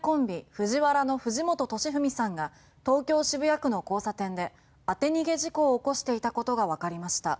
ＦＵＪＩＷＡＲＡの藤本敏史さんが東京・渋谷区の交差点で当て逃げ事故を起こしていたことがわかりました。